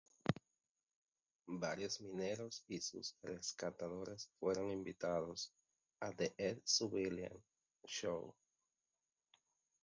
Varios mineros y sus rescatadores fueron invitados a The Ed Sullivan Show.